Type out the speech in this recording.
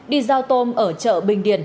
đi giao tôm ở chợ bình điền